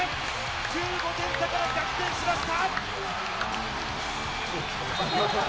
１５点差から逆転しました。